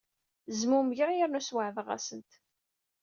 Zmumgeɣ yernu sweɛdeɣ-asent.